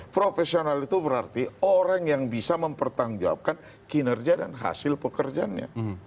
profesional itu berarti orang yang bisa mempertanggungjawabkan kinerja dan hasil pekerjaannya